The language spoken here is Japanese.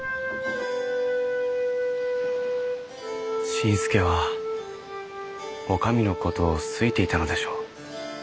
新助はおかみのことを好いていたのでしょう。